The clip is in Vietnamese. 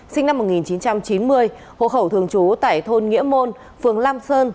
sinh năm một nghìn chín trăm chín mươi hộ khẩu thường trú tại thôn nghĩa môn phường lam sơn